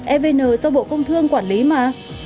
evn do bộ công thương quản lý mà